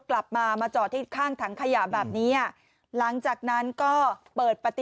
กลับมามาจอดที่ข้างถังขยะแบบนี้อ่ะหลังจากนั้นก็เปิดปฏิ